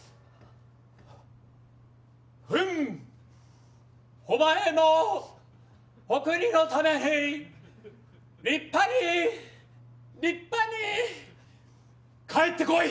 うむお前もお国のために立派に立派に帰ってこい！